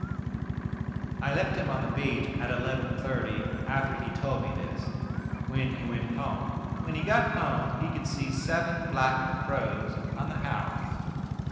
I left him on the beach at 11.30, after he told me this, when he went home. When he got home he could see seven black crows on the house.